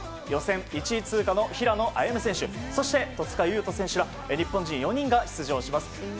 予選１位通過の平野歩夢選手そして戸塚優斗選手ら日本人４人が出場します。